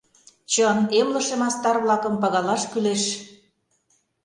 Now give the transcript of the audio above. Чын, эмлыше мастар-влакым пагалаш кӱлеш.